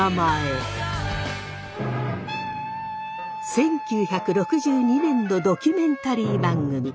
１９６２年のドキュメンタリー番組。